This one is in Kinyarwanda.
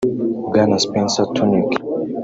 Bwana Spencer Tunick